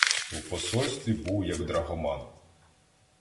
В посольстві був як драгоман.